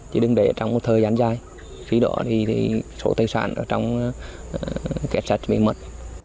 chỉ đừng để trong một thời gian dài khi đó thì số tài sản trong kết sát bị mất